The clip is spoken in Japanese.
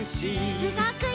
うごくよ！